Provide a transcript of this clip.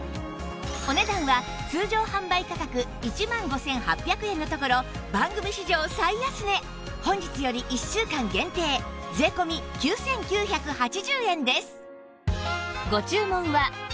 お値段は通常販売価格１万５８００円のところ番組史上最安値本日より１週間限定税込９９８０円です